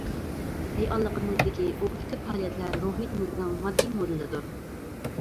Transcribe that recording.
رېئاللىقىمىزدىكى ئوبيېكتىپ پائالىيەتلەر روھىيىتىمىزنىڭ ماددىي مودېلىدۇر.